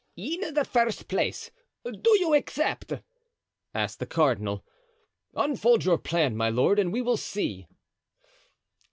"In the first place, do you accept?" asked the cardinal. "Unfold your plan, my lord, and we will see."